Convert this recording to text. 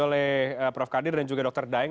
oleh prof kadir dan juga dr daeng